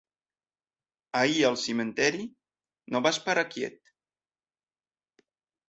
Ahir al cementiri no vas parar quiet.